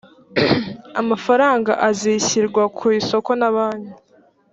amafaranga azishyirwa ku isoko na banki.